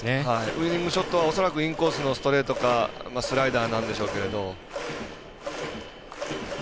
ウイニングショットはインコースのストレートかスライダーなんでしょうけれど。